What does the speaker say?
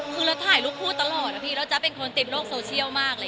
คือเราถ่ายลูกพูดตลอดอะพี่เราจะเป็นคนติดโลกโซเชียลมาก